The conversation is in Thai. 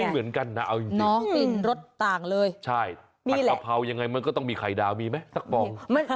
เหมือนกันรัสตากเลยใช่นี่แหละเช่นไงมันก็ต้องมีไข่ดาวมีแม่บอบ